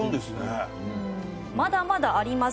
まだまだあります。